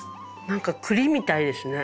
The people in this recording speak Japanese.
何か栗みたいですね。